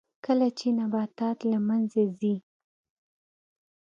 کله چې نباتات له منځه ځي